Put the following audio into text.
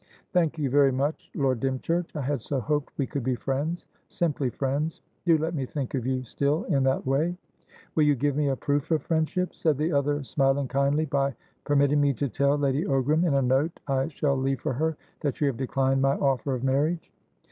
"Thank you very much, Lord Dymchurch. I had so hoped we could be friendssimply friends. Do let me think of you still in that way." "Will you give me a proof of friendship," said the other, smiling kindly, "by permitting me to tell Lady Ogram, in a note I shall leave for her, that you have declined my offer of marriage?"